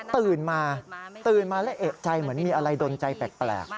ตื่นมาตื่นมาแล้วเอกใจเหมือนมีอะไรดนใจแปลก